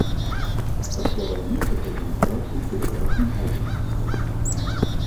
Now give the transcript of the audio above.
Пасля вайны працягнуў працу ў тэлеграфным агенцтве.